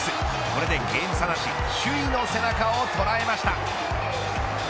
これでゲーム差なし首位の背中を捉えました。